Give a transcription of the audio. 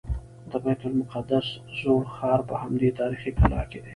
د بیت المقدس زوړ ښار په همدې تاریخي کلا کې دی.